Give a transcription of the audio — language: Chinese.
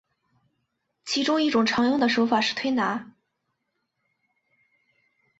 其中一种常用的手法是推拿。